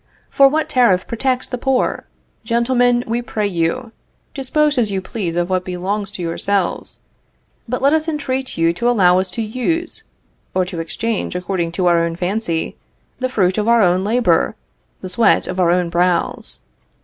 For what tariff protects the poor? Gentlemen, we pray you, dispose as you please of what belongs to yourselves, but let us entreat you to allow us to use, or to exchange, according to our own fancy, the fruit of our own labor, the sweat of our own brows.